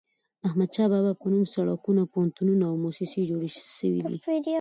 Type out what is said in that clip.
د احمد شاه بابا په نوم سړکونه، پوهنتونونه او موسسې جوړي سوي دي.